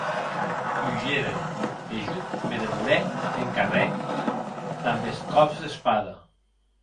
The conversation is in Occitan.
Hugeren, e jo me demorè en carrèr damb es còps d'espada.